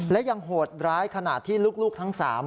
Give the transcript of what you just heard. และยังโหดร้ายขนาดที่ลูกทั้ง๓